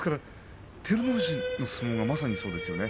照ノ富士の相撲がまさにそうですね。